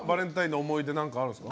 思い出、何かあるんですか？